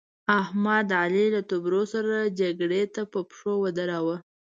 احمد؛ علي له تربرو سره جګړې ته په پشو ودراوو.